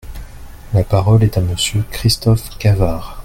La parole est à Monsieur Christophe Cavard.